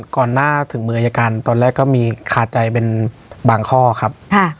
ก่อนหน้าถึงมืออายการตอนแรกก็มีคาใจเป็นบางข้อครับ